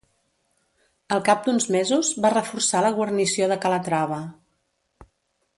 Al cap d'uns mesos va reforçar la guarnició de Calatrava.